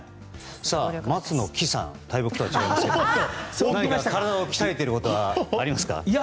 松の木さん大木とは違いますけど何か体を鍛えていることはありますか？